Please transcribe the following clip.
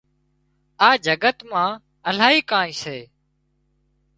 آ جگت مان الاهي ڪانئين سي